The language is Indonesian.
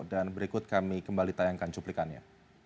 dan berikut kami kembali tayangkan cuplikannya